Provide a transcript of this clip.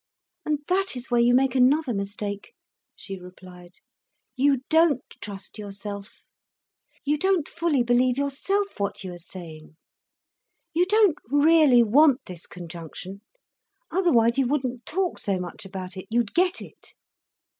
"And that is where you make another mistake," she replied. "You don't trust yourself. You don't fully believe yourself what you are saying. You don't really want this conjunction, otherwise you wouldn't talk so much about it, you'd get it."